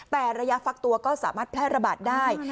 แต่ระยะฟักตัวก็สามารถแพร่ระบาดได้